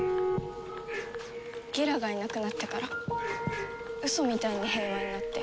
ギラがいなくなってからウソみたいに平和になって。